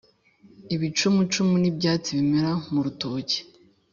ibicumucumu ni ibyatsi bimera mu rutoki